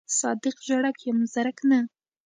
صادق ژړک یم زرک نه.